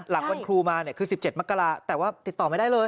หลังวันครูมาคือ๑๗มกราแต่ว่าติดต่อไม่ได้เลย